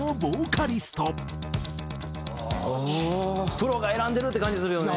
プロが選んでるって感じするよね。